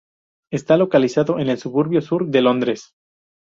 Está localizado en el suburbio sur de Londres.